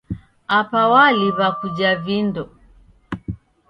Apa waliwa kujha vindo.